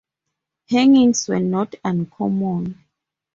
Hangings were not uncommon.